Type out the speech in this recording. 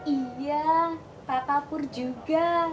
iya papa pur juga